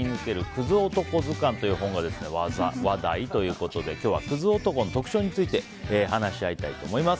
“クズ男”図鑑」という本が話題ということで今日はクズ男の特徴について話し合いたいと思います。